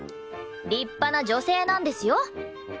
立派な女性なんですよ。